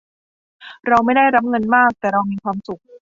เราไม่ได้รับเงินมาก แต่เรามีความสุข